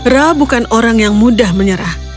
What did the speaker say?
ra bukan orang yang mudah menyerah